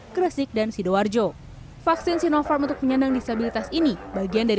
kresik dan sidoarjo vaksin sinovac untuk penyandang disabilitas ini bagian dari